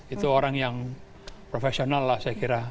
itu orang yang profesional lah saya kira